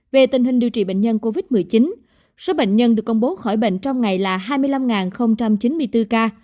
về tình hình điều trị bệnh nhân covid một mươi chín số bệnh nhân được công bố khỏi bệnh trong ngày là hai mươi năm chín mươi bốn ca